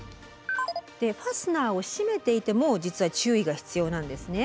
でファスナーを締めていても実は注意が必要なんですね。